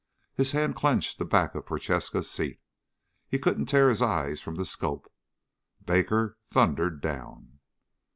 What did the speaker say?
His hand clenched the back of Prochaska's seat. He couldn't tear his eyes from the scope. Baker thundered down.